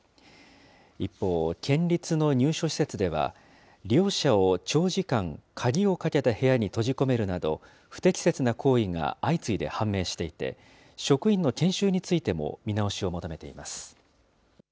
一方、県立の入所施設では、利用者を長時間、鍵をかけた部屋に閉じ込めるなど、不適切な行為が相次いで判明していて、職員の研修についても見直しを求めています。